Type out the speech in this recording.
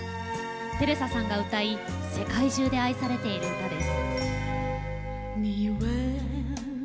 テレサさんが歌い世界中で愛されている歌です。